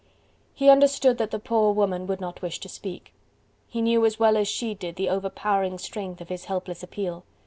He understood that the poor woman would not wish to speak, he knew as well as she did the overpowering strength of his helpless appeal.